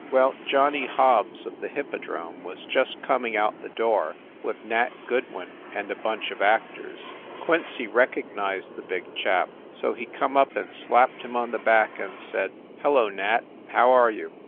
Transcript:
Well, Johnny Hobbs of the Hippodrome was just coming out the door with Nat Goodwin and a bunch of actors. Quincy recognized the big chap, so he come up and slapped him on the back and said : "Hello, Nat; how are you?"